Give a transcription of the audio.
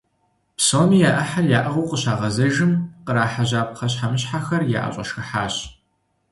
Псоми я Ӏыхьэр яӀыгъыу къыщагъэзэжым, кърахьэжьа пхъэщхьэмыщхьэхэр яӀэщӀэшхыхьащ.